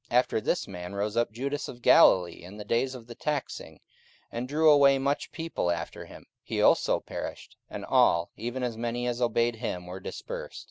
44:005:037 After this man rose up Judas of Galilee in the days of the taxing, and drew away much people after him: he also perished; and all, even as many as obeyed him, were dispersed.